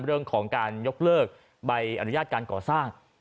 เรื่องของการยกเลิกใบอนุญาตการก่อสร้าง